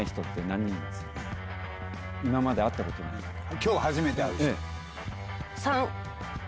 今日初めて会う人。